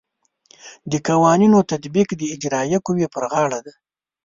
د قوانینو تطبیق د اجرائیه قوې پر غاړه دی.